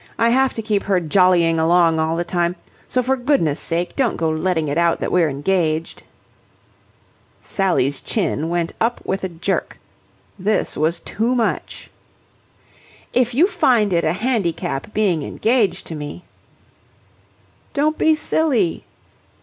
I have to keep her jollying along all the time, so for goodness' sake don't go letting it out that we're engaged." Sally's chin went up with a jerk. This was too much. "If you find it a handicap being engaged to me..." "Don't be silly."